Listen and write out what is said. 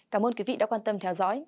cảm ơn quý vị đã quan tâm theo dõi